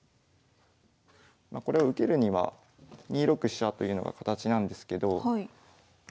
まあこれを受けるには２六飛車というのが形なんですけど。